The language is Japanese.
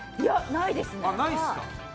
ないですね。